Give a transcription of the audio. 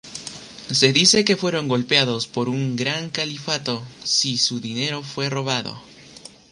Se dice que fueron golpeados por un gran califato si su dinero fue robado.